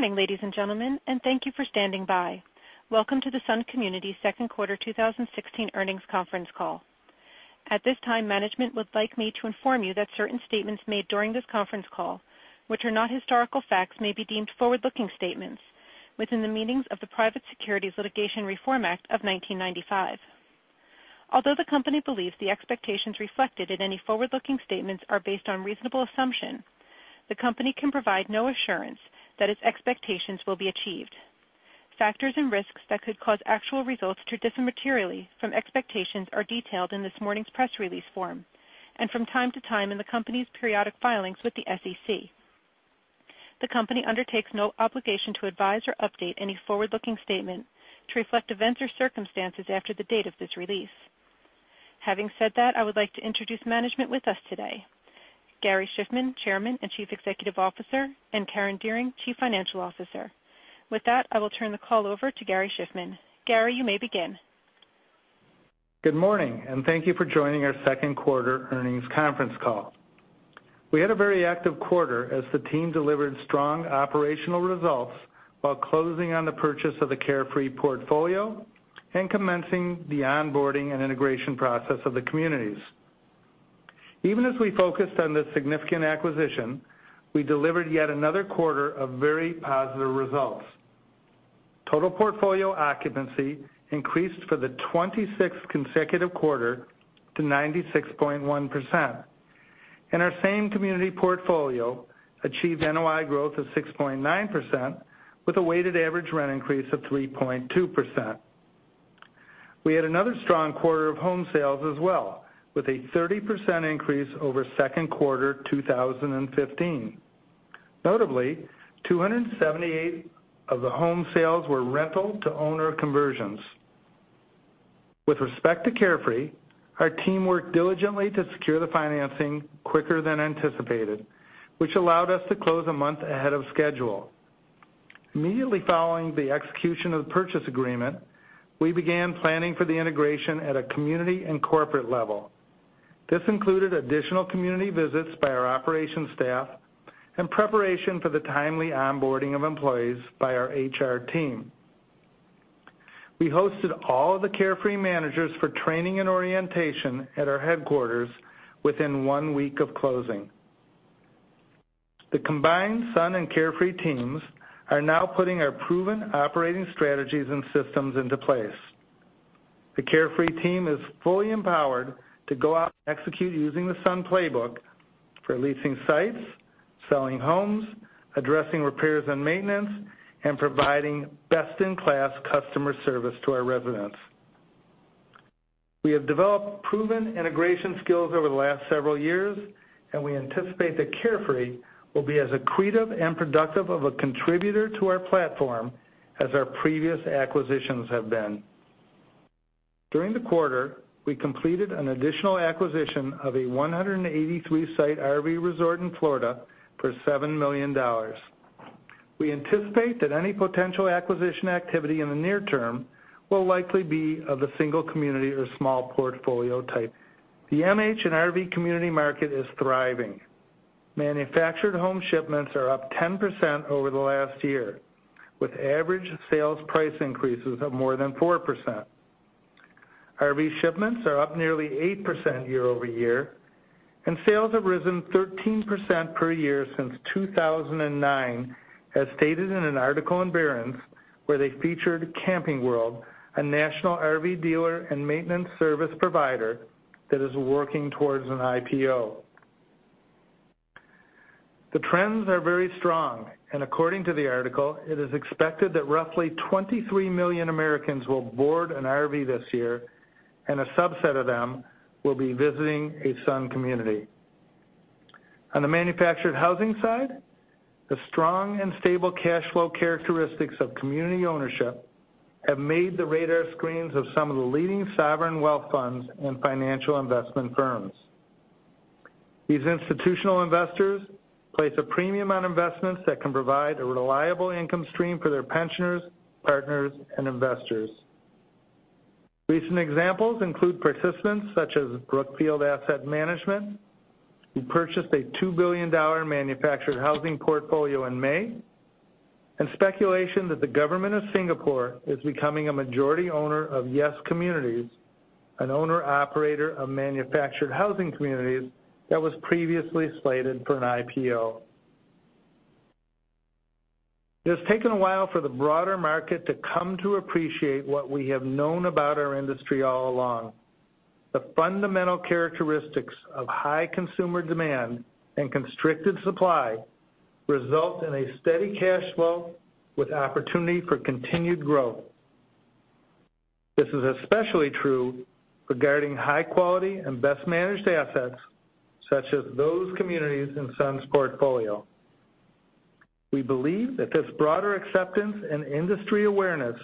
Good morning, ladies and gentlemen, and thank you for standing by. Welcome to the Sun Communities' Second Quarter 2016 Earnings Conference Call. At this time, management would like me to inform you that certain statements made during this conference call, which are not historical facts, may be deemed forward-looking statements within the meanings of the Private Securities Litigation Reform Act of 1995. Although the company believes the expectations reflected in any forward-looking statements are based on reasonable assumptions, the company can provide no assurance that its expectations will be achieved. Factors and risks that could cause actual results to differ materially from expectations are detailed in this morning's press release and from time to time in the company's periodic filings with the SEC. The company undertakes no obligation to advise or update any forward-looking statement to reflect events or circumstances after the date of this release. Having said that, I would like to introduce management with us today: Gary Shiffman, Chairman and Chief Executive Officer, and Karen Dearing, Chief Financial Officer. With that, I will turn the call over to Gary Shiffman. Gary, you may begin. Good morning, and thank you for joining our second quarter earnings conference call. We had a very active quarter as the team delivered strong operational results while closing on the purchase of the Carefree portfolio and commencing the onboarding and integration process of the communities. Even as we focused on the significant acquisition, we delivered yet another quarter of very positive results. Total portfolio occupancy increased for the 26th consecutive quarter to 96.1%. Our same community portfolio achieved NOI growth of 6.9% with a weighted average rent increase of 3.2%. We had another strong quarter of home sales as well, with a 30% increase over second quarter 2015. Notably, 278 of the home sales were rental-to-owner conversions. With respect to Carefree, our team worked diligently to secure the financing quicker than anticipated, which allowed us to close a month ahead of schedule. Immediately following the execution of the purchase agreement, we began planning for the integration at a community and corporate level. This included additional community visits by our operations staff and preparation for the timely onboarding of employees by our HR team. We hosted all of the Carefree managers for training and orientation at our headquarters within one week of closing. The combined Sun and Carefree teams are now putting our proven operating strategies and systems into place. The Carefree team is fully empowered to go out and execute using the Sun Playbook for leasing sites, selling homes, addressing repairs and maintenance, and providing best-in-class customer service to our residents. We have developed proven integration skills over the last several years, and we anticipate that Carefree will be as equitable and productive of a contributor to our platform as our previous acquisitions have been. During the quarter, we completed an additional acquisition of a 183-site RV resort in Florida for $7 million. We anticipate that any potential acquisition activity in the near term will likely be of the single community or small portfolio type. The MH and RV community market is thriving. Manufactured home shipments are up 10% over the last year, with average sales price increases of more than 4%. RV shipments are up nearly 8% year-over-year, and sales have risen 13% per year since 2009, as stated in an article in Barron's where they featured Camping World, a national RV dealer and maintenance service provider that is working towards an IPO. The trends are very strong, and according to the article, it is expected that roughly 23 million Americans will board an RV this year, and a subset of them will be visiting a Sun community. On the manufactured housing side, the strong and stable cash flow characteristics of community ownership have made the radar screens of some of the leading sovereign wealth funds and financial investment firms. These institutional investors place a premium on investments that can provide a reliable income stream for their pensioners, partners, and investors. Recent examples include participants such as Brookfield Asset Management, who purchased a $2 billion manufactured housing portfolio in May, and speculation that the Government of Singapore is becoming a majority owner of YES Communities, an owner-operator of manufactured housing communities that was previously slated for an IPO. It has taken a while for the broader market to come to appreciate what we have known about our industry all along. The fundamental characteristics of high consumer demand and constricted supply result in a steady cash flow with opportunity for continued growth. This is especially true regarding high quality and best-managed assets such as those communities in Sun's portfolio. We believe that this broader acceptance and industry awareness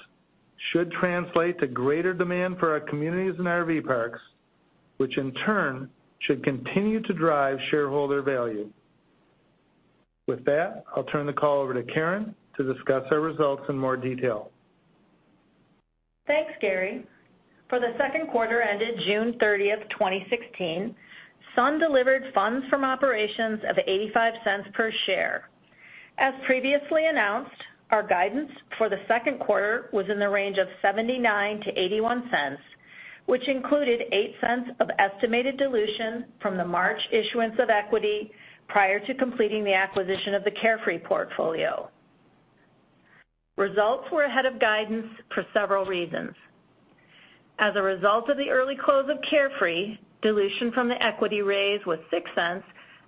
should translate to greater demand for our communities and RV parks, which in turn should continue to drive shareholder value. With that, I'll turn the call over to Karen to discuss our results in more detail. Thanks, Gary. For the second quarter ended June 30th, 2016, Sun delivered funds from operations of $0.85 per share. As previously announced, our guidance for the second quarter was in the range of $0.79-$0.81, which included $0.08 of estimated dilution from the March issuance of equity prior to completing the acquisition of the Carefree portfolio. Results were ahead of guidance for several reasons. As a result of the early close of Carefree, dilution from the equity raise was $0.06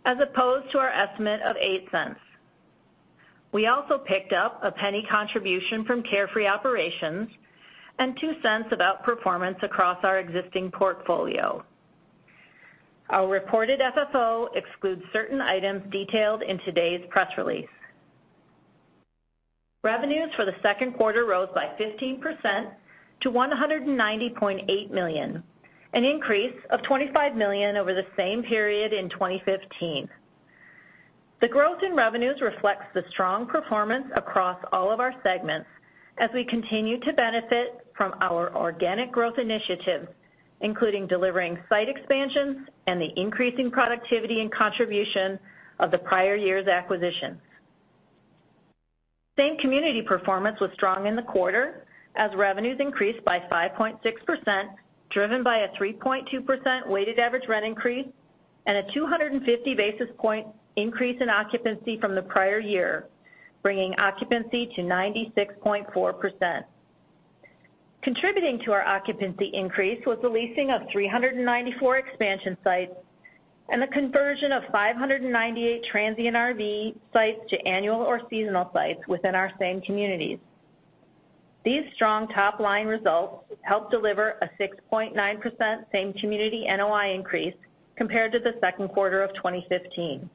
as opposed to our estimate of $0.08. We also picked up a $0.01 contribution from Carefree operations and $0.02 of outperformance across our existing portfolio. Our reported FFO excludes certain items detailed in today's press release. Revenues for the second quarter rose by 15% to $190.8 million, an increase of $25 million over the same period in 2015. The growth in revenues reflects the strong performance across all of our segments as we continue to benefit from our organic growth initiatives, including delivering site expansions and the increasing productivity and contribution of the prior year's acquisitions. Same community performance was strong in the quarter as revenues increased by 5.6%, driven by a 3.2% weighted average rent increase and a 250 basis point increase in occupancy from the prior year, bringing occupancy to 96.4%. Contributing to our occupancy increase was the leasing of 394 expansion sites and the conversion of 598 transient RV sites to annual or seasonal sites within our same communities. These strong top-line results helped deliver a 6.9% same community NOI increase compared to the second quarter of 2015.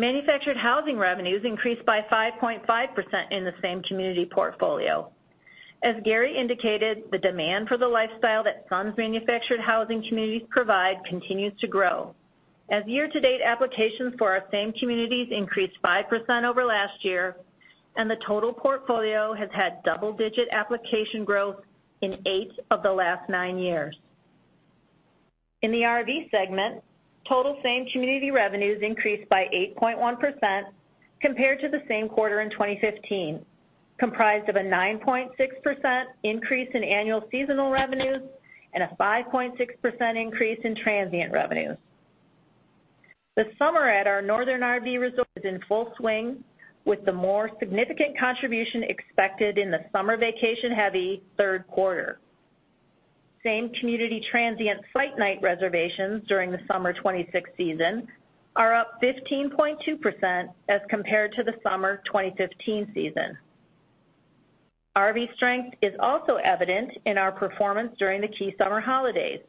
Manufactured housing revenues increased by 5.5% in the same community portfolio. As Gary indicated, the demand for the lifestyle that Sun's manufactured housing communities provide continues to grow, as year-to-date applications for our same communities increased 5% over last year, and the total portfolio has had double-digit application growth in eight of the last nine years. In the RV segment, total same community revenues increased by 8.1% compared to the same quarter in 2015, comprised of a 9.6% increase in annual seasonal revenues and a 5.6% increase in transient revenues. The summer at our northern RV resort is in full swing, with the more significant contribution expected in the summer vacation-heavy third quarter. Same community transient site night reservations during the summer 2016 season are up 15.2% as compared to the summer 2015 season. RV strength is also evident in our performance during the key summer holidays.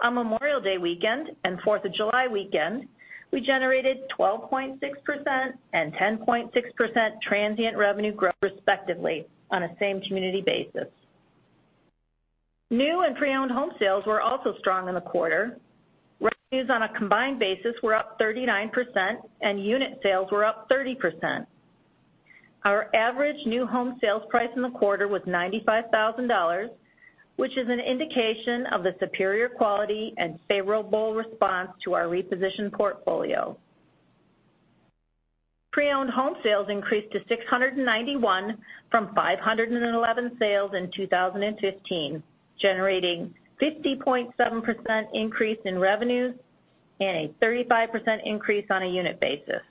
On Memorial Day weekend and 4th of July weekend, we generated 12.6% and 10.6% transient revenue growth respectively on a same community basis. New and pre-owned home sales were also strong in the quarter. Revenues on a combined basis were up 39%, and unit sales were up 30%. Our average new home sales price in the quarter was $95,000, which is an indication of the superior quality and favorable response to our repositioned portfolio. Pre-owned home sales increased to 691 from 511 sales in 2015, generating a 50.7% increase in revenues and a 35% increase on a unit basis.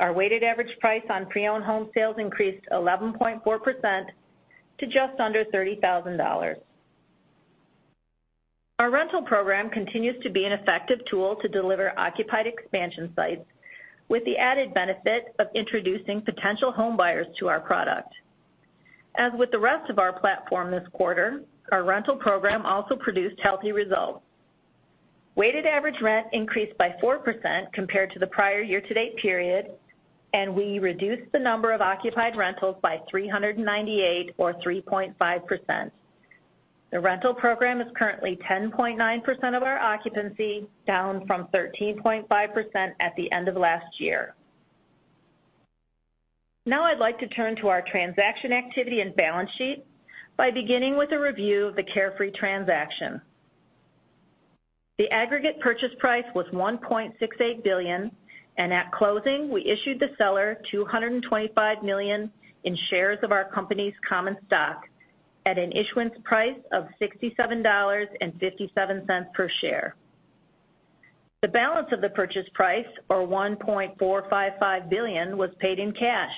Our weighted average price on pre-owned home sales increased 11.4% to just under $30,000. Our rental program continues to be an effective tool to deliver occupied expansion sites, with the added benefit of introducing potential homebuyers to our product. As with the rest of our platform this quarter, our rental program also produced healthy results. Weighted average rent increased by 4% compared to the prior year-to-date period, and we reduced the number of occupied rentals by 398 or 3.5%. The rental program is currently 10.9% of our occupancy, down from 13.5% at the end of last year. Now I'd like to turn to our transaction activity and balance sheet by beginning with a review of the Carefree transaction. The aggregate purchase price was $1.68 billion, and at closing, we issued the seller 225 million in shares of our company's common stock at an issuance price of $67.57 per share. The balance of the purchase price, or $1.455 billion, was paid in cash,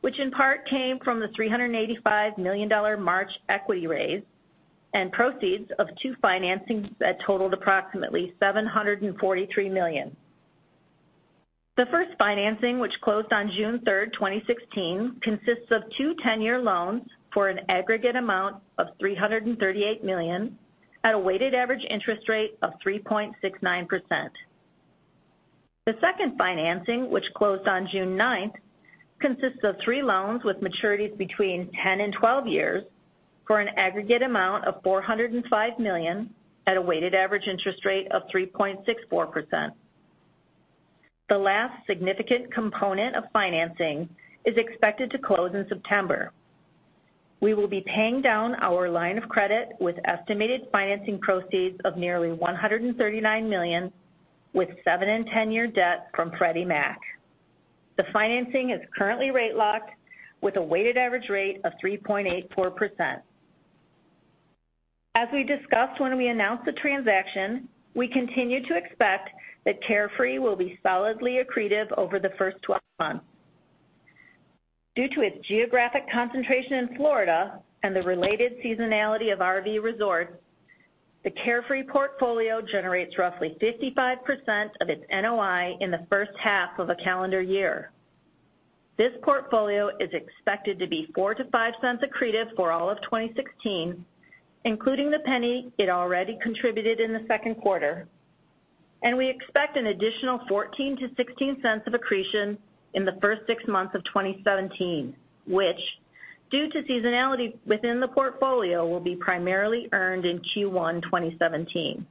which in part came from the $385 million March equity raise and proceeds of two financings that totaled approximately $743 million. The first financing, which closed on June 3rd, 2016, consists of two 10-year loans for an aggregate amount of $338 million at a weighted average interest rate of 3.69%. The second financing, which closed on June 9th, consists of three loans with maturities between 10 and 12 years for an aggregate amount of $405 million at a weighted average interest rate of 3.64%. The last significant component of financing is expected to close in September. We will be paying down our line of credit with estimated financing proceeds of nearly $139 million, with seven- and 10-year debt from Freddie Mac. The financing is currently rate-locked with a weighted average rate of 3.84%. As we discussed when we announced the transaction, we continue to expect that Carefree will be solidly accretive over the first 12 months. Due to its geographic concentration in Florida and the related seasonality of RV resorts, the Carefree portfolio generates roughly 55% of its NOI in the first half of a calendar year. This portfolio is expected to be $0.04-$0.05 accretive for all of 2016, including the $0.01 it already contributed in the second quarter, and we expect an additional $0.14-$0.16 of accretion in the first six months of 2017, which, due to seasonality within the portfolio, will be primarily earned in Q1 2017.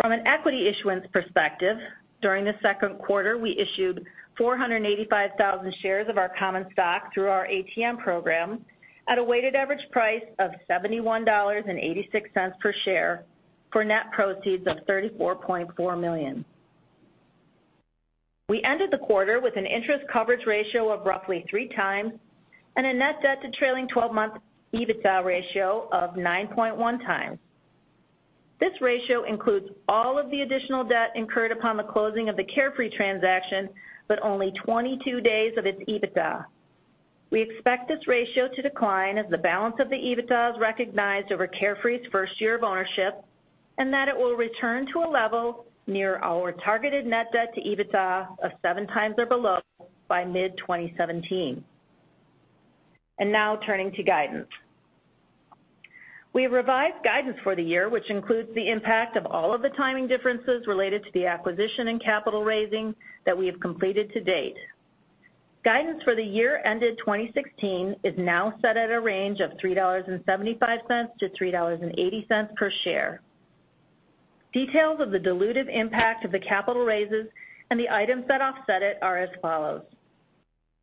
From an equity issuance perspective, during the second quarter, we issued 485,000 shares of our common stock through our ATM program at a weighted average price of $71.86 per share for net proceeds of $34.4 million. We ended the quarter with an interest coverage ratio of roughly 3x and a net debt-to-trailing 12-month EBITDA ratio of 9.1x. This ratio includes all of the additional debt incurred upon the closing of the Carefree transaction, but only 22 days of its EBITDA. We expect this ratio to decline as the balance of the EBITDA is recognized over Carefree's first year of ownership and that it will return to a level near our targeted net debt-to-EBITDA of 7x or below by mid-2017. And now turning to guidance. We have revised guidance for the year, which includes the impact of all of the timing differences related to the acquisition and capital raising that we have completed to date. Guidance for the year-ended 2016 is now set at a range of $3.75-$3.80 per share. Details of the dilutive impact of the capital raises and the items that offset it are as follows.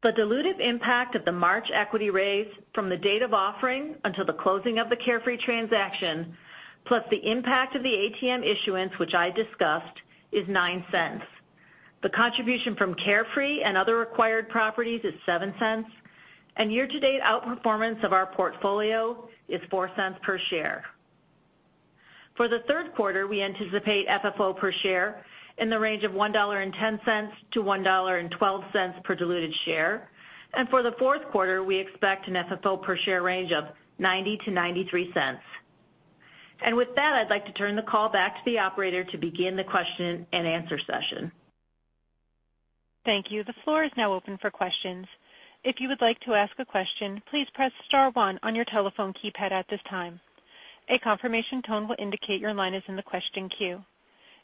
The dilutive impact of the March equity raise from the date of offering until the closing of the Carefree transaction, plus the impact of the ATM issuance, which I discussed, is $0.09. The contribution from Carefree and other acquired properties is $0.07, and year-to-date outperformance of our portfolio is $0.04 per share. For the third quarter, we anticipate FFO per share in the range of $1.10-$1.12 per diluted share, and for the fourth quarter, we expect an FFO per share range of $0.90-$0.93. With that, I'd like to turn the call back to the operator to begin the question and answer session. Thank you. The floor is now open for questions. If you would like to ask a question, please press star one on your telephone keypad at this time. A confirmation tone will indicate your line is in the question queue.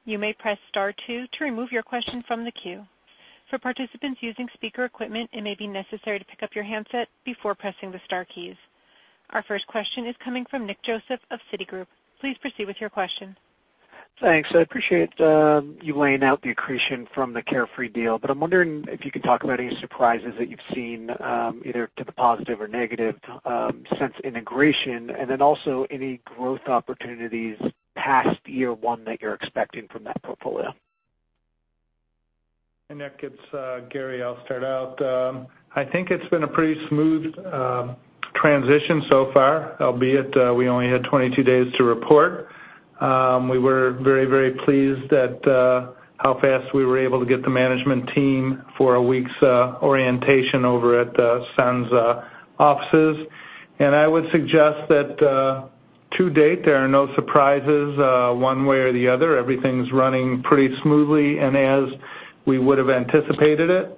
You may press star two to remove your question from the queue. For participants using speaker equipment, it may be necessary to pick up your handset before pressing the Star keys. Our first question is coming from Nick Joseph of Citigroup. Please proceed with your question. Thanks. I appreciate you laying out the accretion from the Carefree deal, but I'm wondering if you can talk about any surprises that you've seen, either to the positive or negative sense integration, and then also any growth opportunities past year one that you're expecting from that portfolio. Nick, it's Gary. I'll start out. I think it's been a pretty smooth transition so far, albeit we only had 22 days to report. We were very, very pleased at how fast we were able to get the management team for a week's orientation over at Sun's offices. I would suggest that to date, there are no surprises one way or the other. Everything's running pretty smoothly and as we would have anticipated it.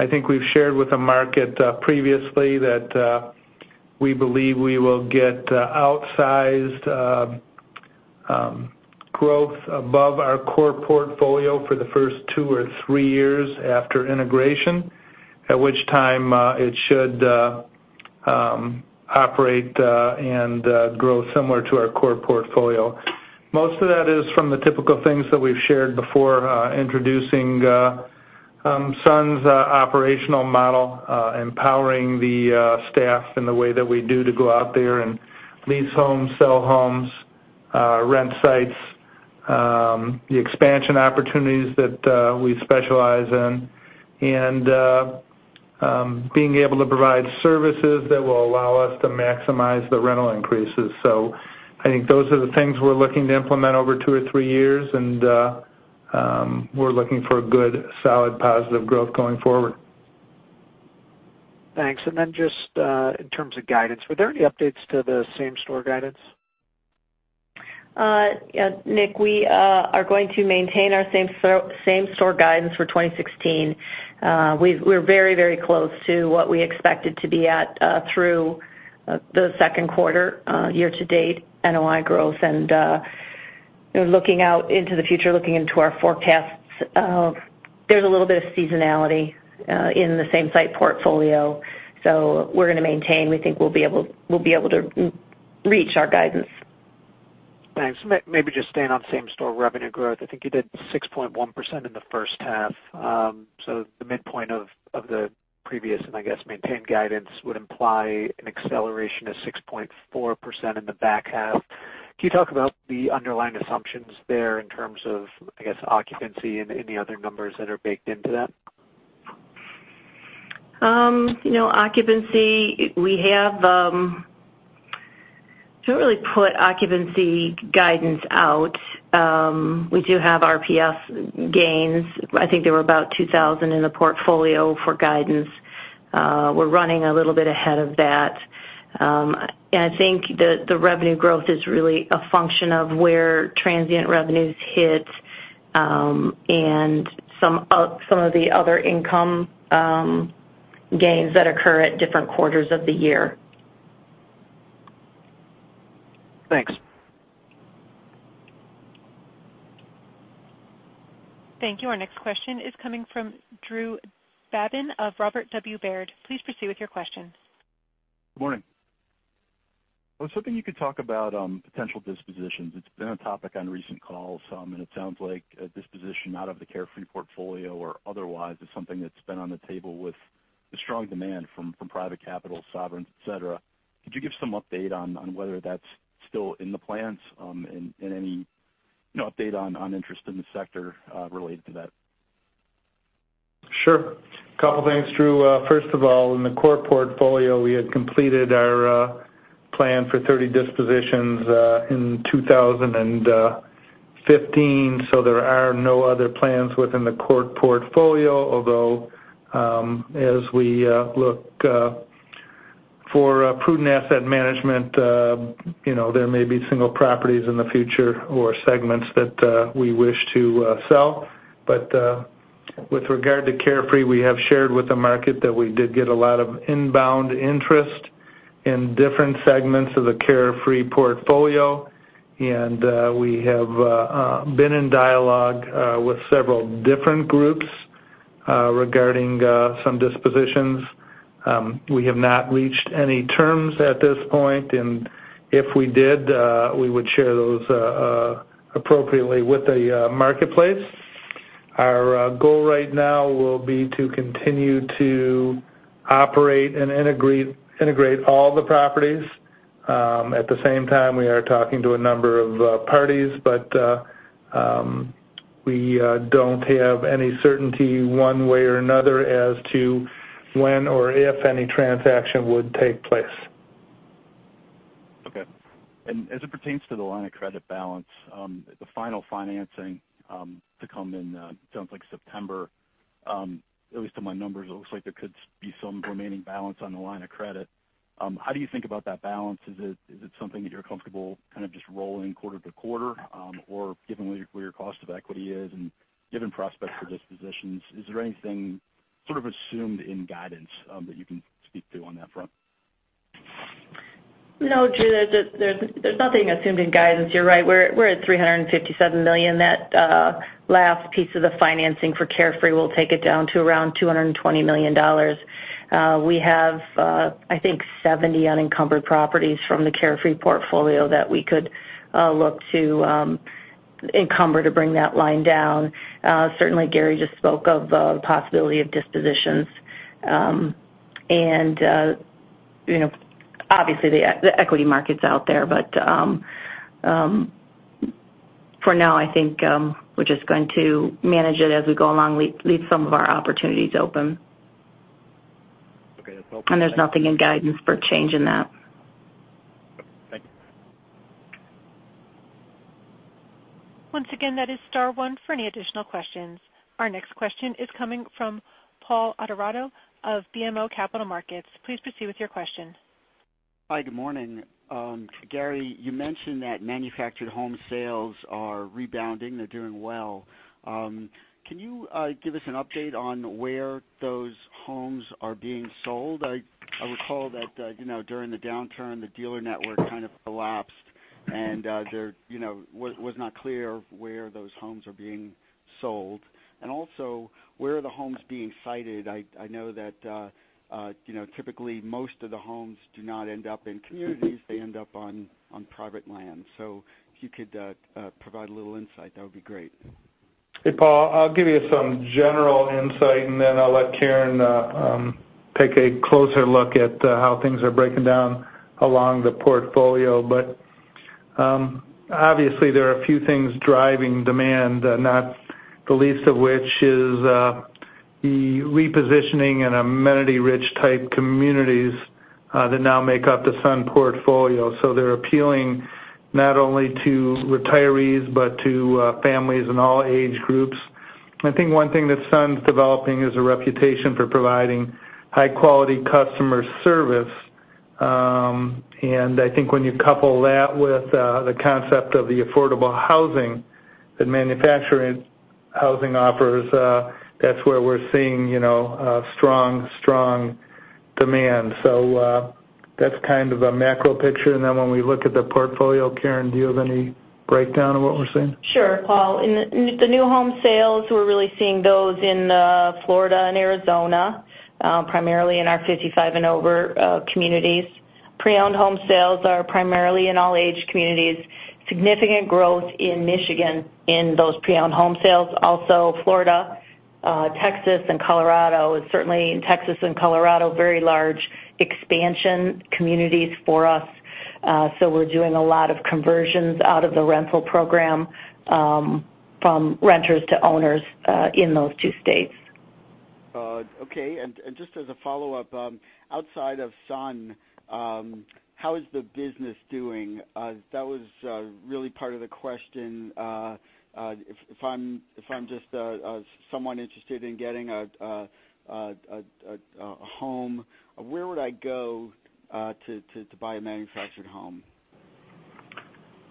I think we've shared with the market previously that we believe we will get outsized growth above our core portfolio for the first two or three years after integration, at which time it should operate and grow similar to our core portfolio. Most of that is from the typical things that we've shared before introducing Sun's operational model, empowering the staff in the way that we do to go out there and lease homes, sell homes, rent sites, the expansion opportunities that we specialize in, and being able to provide services that will allow us to maximize the rental increases. I think those are the things we're looking to implement over two or three years, and we're looking for good, solid, positive growth going forward. Thanks. And then just in terms of guidance, were there any updates to the same store guidance? Yeah. Nick, we are going to maintain our same store guidance for 2016. We're very, very close to what we expected to be at through the second quarter, year-to-date NOI growth, and looking out into the future, looking into our forecasts, there's a little bit of seasonality in the same site portfolio. So we're going to maintain. We think we'll be able to reach our guidance. Thanks. Maybe just staying on same store revenue growth, I think you did 6.1% in the first half. So the midpoint of the previous and, I guess, maintained guidance would imply an acceleration of 6.4% in the back half. Can you talk about the underlying assumptions there in terms of, I guess, occupancy and any other numbers that are baked into that? You know, occupancy, we have. I don't really put occupancy guidance out. We do have RPS gains. I think there were about 2,000 in the portfolio for guidance. We're running a little bit ahead of that. And I think the revenue growth is really a function of where transient revenues hit and some of the other income gains that occur at different quarters of the year. Thanks. Thank you. Our next question is coming from Drew Babin of Robert W. Baird. Please proceed with your question. Good morning. Well, it's something you could talk about potential dispositions. It's been a topic on recent calls, and it sounds like a disposition out of the Carefree portfolio or otherwise is something that's been on the table with strong demand from private capital, sovereigns, etc. Could you give some update on whether that's still in the plans and any update on interest in the sector related to that? Sure. A couple of things, Drew. First of all, in the core portfolio, we had completed our plan for 30 dispositions in 2015, so there are no other plans within the core portfolio, although as we look for prudent asset management, there may be single properties in the future or segments that we wish to sell. But with regard to Carefree, we have shared with the market that we did get a lot of inbound interest in different segments of the Carefree portfolio, and we have been in dialogue with several different groups regarding some dispositions. We have not reached any terms at this point, and if we did, we would share those appropriately with the marketplace. Our goal right now will be to continue to operate and integrate all the properties. At the same time, we are talking to a number of parties, but we don't have any certainty one way or another as to when or if any transaction would take place. Okay. As it pertains to the line of credit balance, the final financing to come in sounds like September, at least in my numbers, it looks like there could be some remaining balance on the line of credit. How do you think about that balance? Is it something that you're comfortable kind of just rolling quarter to quarter or given where your cost of equity is and given prospects for dispositions? Is there anything sort of assumed in guidance that you can speak to on that front? No, Drew, there's nothing assumed in guidance. You're right. We're at $357 million. That last piece of the financing for Carefree will take it down to around $220 million. We have, I think, 70 unencumbered properties from the Carefree portfolio that we could look to encumber to bring that line down. Certainly, Gary just spoke of the possibility of dispositions. And obviously, the equity market's out there, but for now, I think we're just going to manage it as we go along, leave some of our opportunities open. Okay. That's helpful. There's nothing in guidance for changing that. Thank you. Once again, that is star one for any additional questions. Our next question is coming from Paul Adornato of BMO Capital Markets. Please proceed with your question. Hi, good morning. Gary, you mentioned that manufactured home sales are rebounding. They're doing well. Can you give us an update on where those homes are being sold? I recall that during the downturn, the dealer network kind of collapsed, and there was not clear where those homes are being sold. And also, where are the homes being sited? I know that typically most of the homes do not end up in communities. They end up on private land. So if you could provide a little insight, that would be great. Hey, Paul. I'll give you some general insight, and then I'll let Karen take a closer look at how things are breaking down along the portfolio. But obviously, there are a few things driving demand, not the least of which is the repositioning in amenity-rich type communities that now make up the Sun portfolio. So they're appealing not only to retirees but to families in all age groups. I think one thing that Sun's developing is a reputation for providing high-quality customer service. And I think when you couple that with the concept of the affordable housing that manufactured housing offers, that's where we're seeing strong, strong demand. So that's kind of a macro picture. And then when we look at the portfolio, Karen, do you have any breakdown of what we're seeing? Sure. Paul, the new home sales, we're really seeing those in Florida and Arizona, primarily in our 55 and over communities. Pre-owned home sales are primarily in all age communities. Significant growth in Michigan in those pre-owned home sales. Also, Florida, Texas, and Colorado is certainly in Texas and Colorado, very large expansion communities for us. So we're doing a lot of conversions out of the rental program from renters to owners in those two states. Okay. And just as a follow-up, outside of Sun, how is the business doing? That was really part of the question. If I'm just someone interested in getting a home, where would I go to buy a manufactured home?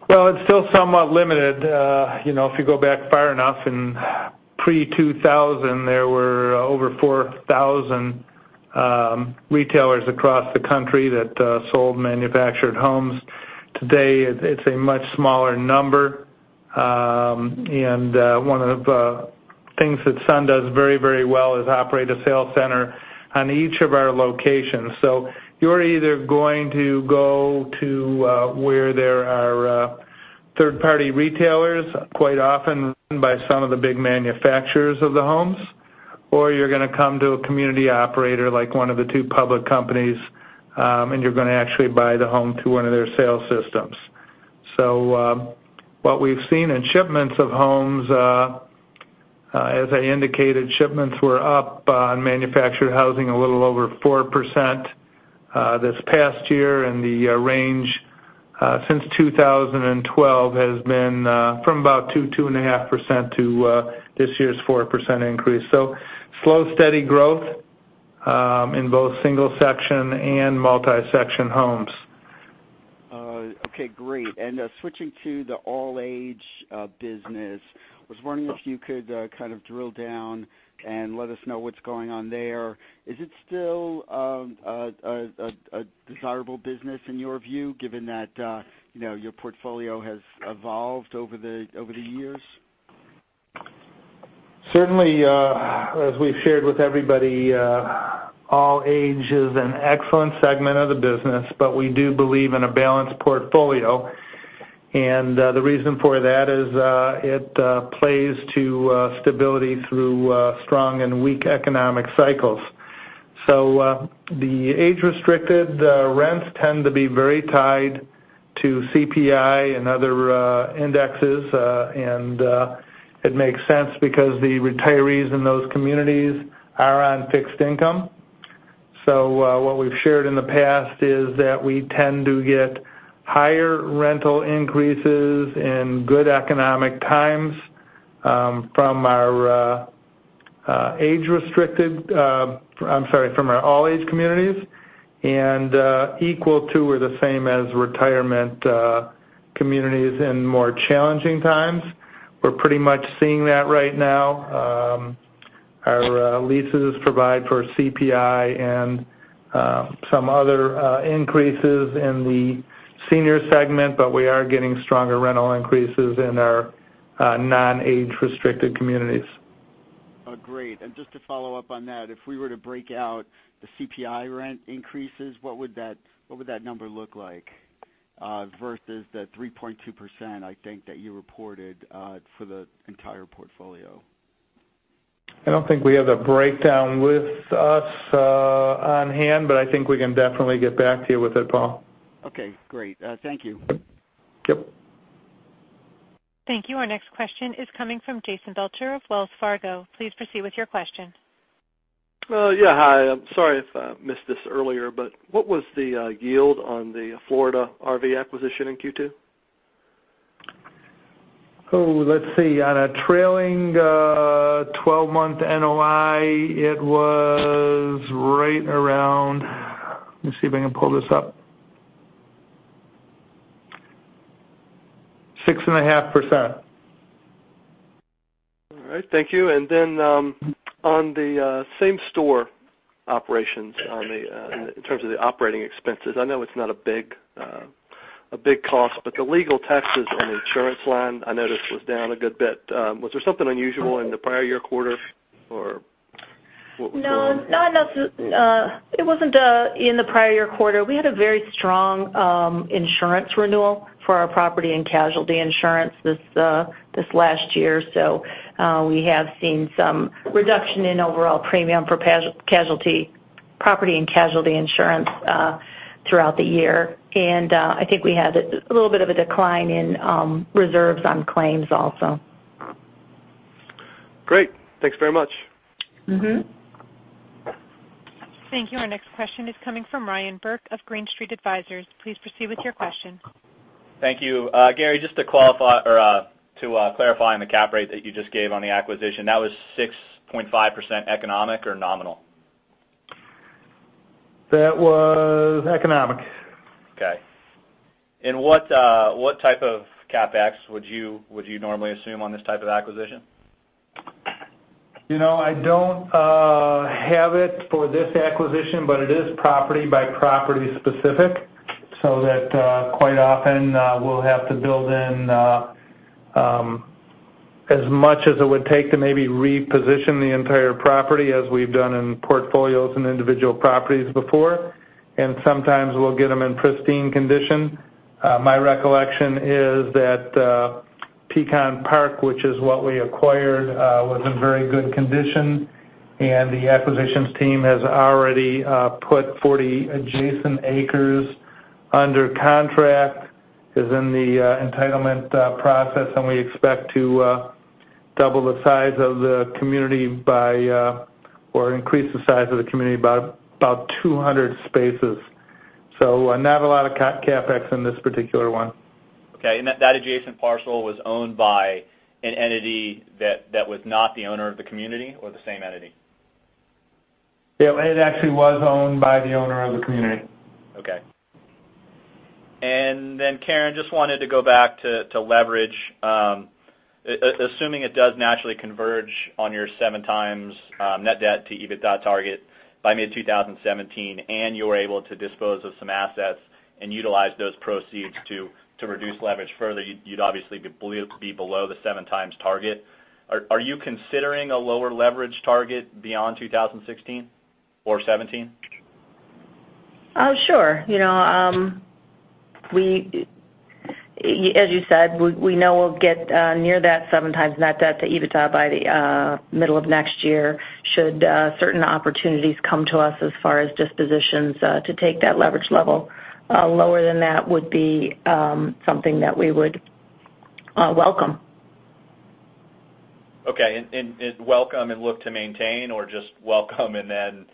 Well, it's still somewhat limited. If you go back far enough in pre-2000, there were over 4,000 retailers across the country that sold manufactured homes. Today, it's a much smaller number. And one of the things that Sun does very, very well is operate a sales center on each of our locations. So you're either going to go to where there are third-party retailers, quite often run by some of the big manufacturers of the homes, or you're going to come to a community operator like one of the two public companies, and you're going to actually buy the home through one of their sales systems. So what we've seen in shipments of homes, as I indicated, shipments were up on manufactured housing a little over 4% this past year, and the range since 2012 has been from about 2%-2.5% to this year's 4% increase. Slow, steady growth in both single-section and multi-section homes. Okay. Great. And switching to the all-age business, I was wondering if you could kind of drill down and let us know what's going on there. Is it still a desirable business in your view, given that your portfolio has evolved over the years? Certainly, as we've shared with everybody, all-ages is an excellent segment of the business, but we do believe in a balanced portfolio. The reason for that is it plays to stability through strong and weak economic cycles. The age-restricted rents tend to be very tied to CPI and other indexes, and it makes sense because the retirees in those communities are on fixed income. What we've shared in the past is that we tend to get higher rental increases in good economic times from our age-restricted—I'm sorry, from our all-age communities—and equal to or the same as retirement communities in more challenging times. We're pretty much seeing that right now. Our leases provide for CPI and some other increases in the senior segment, but we are getting stronger rental increases in our non-age-restricted communities. Great. Just to follow up on that, if we were to break out the CPI rent increases, what would that number look like versus the 3.2% I think that you reported for the entire portfolio? I don't think we have a breakdown with us on hand, but I think we can definitely get back to you with it, Paul. Okay. Great. Thank you. Yep. Thank you. Our next question is coming from Jason Belcher of Wells Fargo. Please proceed with your question. Yeah. Hi. I'm sorry if I missed this earlier, but what was the yield on the Florida RV acquisition in Q2? Oh, let's see. On a trailing 12-month NOI, it was right around, let me see if I can pull this up 6.5%. All right. Thank you. And then on the same store operations, in terms of the operating expenses, I know it's not a big cost, but the legal taxes and insurance line, I noticed, was down a good bit. Was there something unusual in the prior year quarter, or what was going on? No, it wasn't in the prior year quarter. We had a very strong insurance renewal for our property and casualty insurance this last year. So we have seen some reduction in overall premium for property and casualty insurance throughout the year. And I think we had a little bit of a decline in reserves on claims also. Great. Thanks very much. Thank you. Our next question is coming from Ryan Burke of Green Street Advisors. Please proceed with your question. Thank you. Gary, just to clarify on the cap rate that you just gave on the acquisition, that was 6.5% economic or nominal? That was economic. Okay. And what type of CapEx would you normally assume on this type of acquisition? I don't have it for this acquisition, but it is property-by-property specific, so that quite often we'll have to build in as much as it would take to maybe reposition the entire property as we've done in portfolios and individual properties before. Sometimes we'll get them in pristine condition. My recollection is that Pecan Park, which is what we acquired, was in very good condition, and the acquisitions team has already put 40 adjacent acres under contract. It's in the entitlement process, and we expect to double the size of the community or increase the size of the community by about 200 spaces. Not a lot of CapEx in this particular one. Okay. And that adjacent parcel was owned by an entity that was not the owner of the community or the same entity? It actually was owned by the owner of the community. Okay. And then Karen just wanted to go back to leverage. Assuming it does naturally converge on your 7x net debt to EBITDA target by mid-2017, and you were able to dispose of some assets and utilize those proceeds to reduce leverage further, you'd obviously be below the 7x target. Are you considering a lower leverage target beyond 2016 or 2017? Oh, sure. As you said, we know we'll get near that 7x net debt to EBITDA by the middle of next year, should certain opportunities come to us as far as dispositions to take that leverage level. Lower than that would be something that we would welcome. Okay. And welcome and look to maintain, or just welcome and then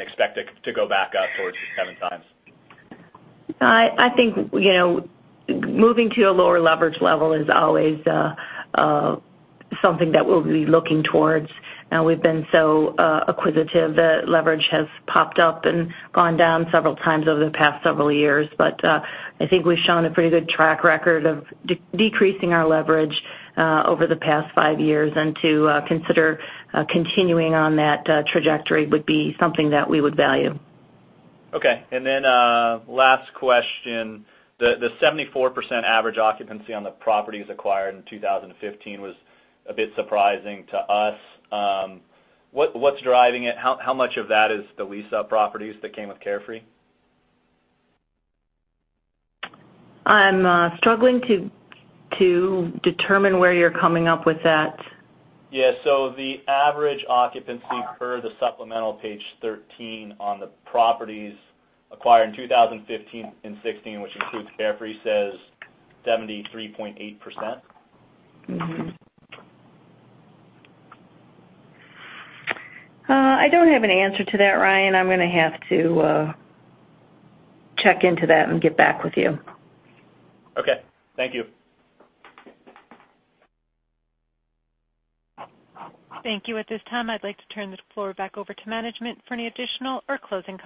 expect to go back up towards the 7x? I think moving to a lower leverage level is always something that we'll be looking towards. We've been so acquisitive that leverage has popped up and gone down several times over the past several years. But I think we've shown a pretty good track record of decreasing our leverage over the past five years, and to consider continuing on that trajectory would be something that we would value. Okay. And then last question. The 74% average occupancy on the properties acquired in 2015 was a bit surprising to us. What's driving it? How much of that is the lease-up properties that came with Carefree? I'm struggling to determine where you're coming up with that. Yeah. So the average occupancy per the supplemental page 13 on the properties acquired in 2015 and 2016, which includes Carefree, says 73.8%. I don't have an answer to that, Ryan. I'm going to have to check into that and get back with you. Okay. Thank you. Thank you. At this time, I'd like to turn the floor back over to management for any additional or closing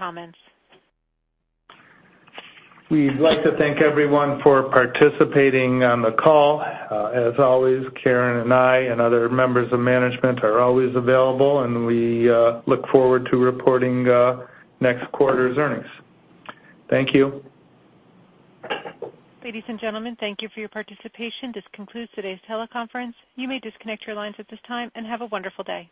comments. We'd like to thank everyone for participating on the call. As always, Karen and I and other members of management are always available, and we look forward to reporting next quarter's earnings. Thank you. Ladies and gentlemen, thank you for your participation. This concludes today's teleconference. You may disconnect your lines at this time and have a wonderful day.